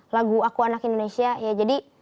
lagu aku anak indonesia ya jadi